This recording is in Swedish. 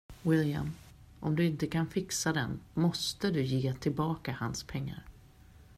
William, om du inte kan fixa den måste du ge tillbaka hans pengar.